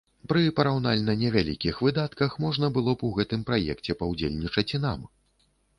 Пры параўнальна невялікіх выдатках можна было б у гэтым праекце паўдзельнічаць і нам.